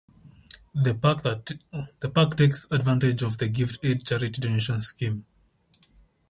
The park takes advantage of the Gift Aid charity donation scheme.